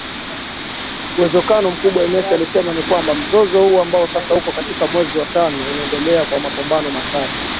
Uwezekano mkubwa Haines alisema ni kwamba, mzozo huo ambao sasa uko katika mwezi wake wa tano unaendelea kwa mapambano makali.